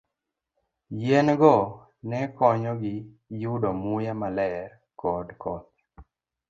Yien go ne konyogi yudo muya maler kod koth.